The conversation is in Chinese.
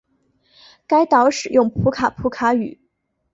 该岛使用普卡普卡语。